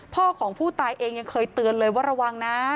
พ่อของผู้ตายเองยังเคยเตือนเลยว่าระวังนะ